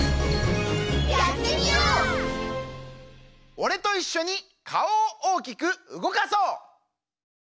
おれといっしょにかおをおおきくうごかそう！